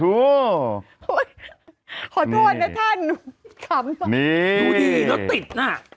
โหขอโทษนะท่านนี่ดูดีแล้วติดน่ะ